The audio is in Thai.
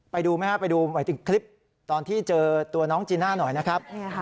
ไปดูไหมครับไปดูหมายถึงคลิปตอนที่เจอตัวน้องจีน่าหน่อยนะครับ